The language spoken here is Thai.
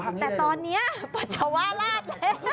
แต่ตอนนี้ปัสสาวะลาดแล้ว